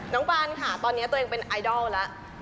ปานค่ะตอนนี้ตัวเองเป็นไอดอลแล้ว